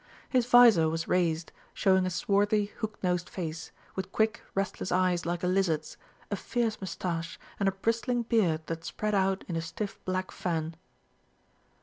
His vizor was raised, showing a swarthy, hook nosed face, with quick, restless eyes like a lizard's, a fierce moustache, and a bristling beard that spread out in a stiff black fan.